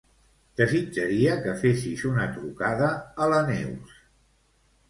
Desitjaria que fessis una trucada a la Neus.